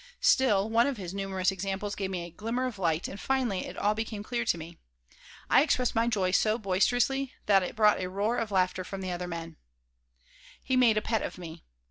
Still, one of his numerous examples gave me a glimmer of light and finally it all became clear to me. I expressed my joy so boisterously that it brought a roar of laughter from the other men He made a pet of me.